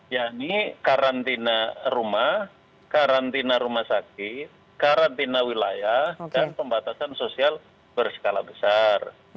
yakni karantina rumah karantina rumah sakit karantina wilayah dan pembatasan sosial berskala besar